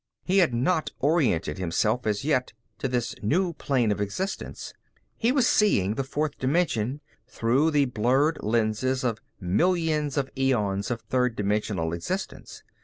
He had not oriented himself as yet to this new plane of existence. He was seeing the fourth dimension through the blurred lenses of millions of eons of third dimensional existence.